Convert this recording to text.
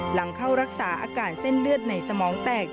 หลังเข้ารักษาอาการเส้นเลือดในสมองแตก